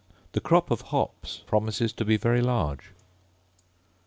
The crop of hops promises to be very large.